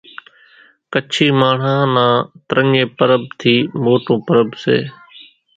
ڪڇي ماڻۿان نان ترڃي پرٻ ٿي موٽون پرٻ سي